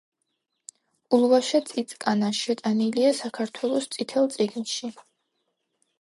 ულვაშა წიწკანა შეტანილია საქართველოს „წითელ წიგნში“.